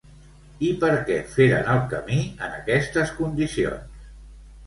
I per què feren el camí en aquestes condicions?